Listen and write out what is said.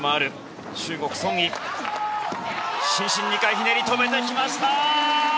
伸身２回ひねりで止めてきました。